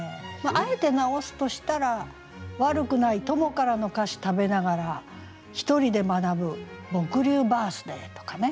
あえて直すとしたら「『わるくない』友からの菓子食べながら一人で学ぶ僕流バースデイ」とかね。